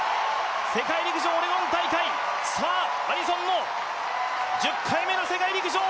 世界陸上オレゴン大会アリソンの１０回目の世界陸上。